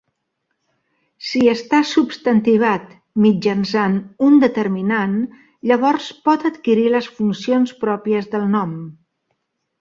Si està substantivat mitjançant un determinant, llavors pot adquirir les funcions pròpies del nom.